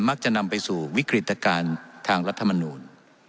มักจะนำไปสู่วิกฤตการณ์ทางรัฐมนูล